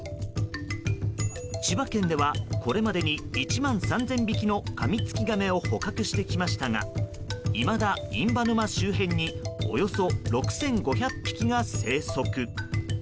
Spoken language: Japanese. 千葉県ではこれまでに１万３０００匹のカミツキガメを捕獲してきましたがいまだ印旛沼周辺におよそ６５００匹が生息。